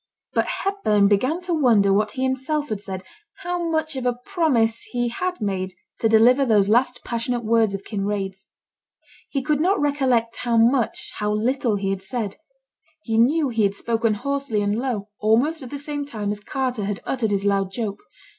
But Hepburn began to wonder what he himself had said how much of a promise he had made to deliver those last passionate words of Kinraid's. He could not recollect how much, how little he had said; he knew he had spoken hoarsely and low almost at the same time as Carter had uttered his loud joke.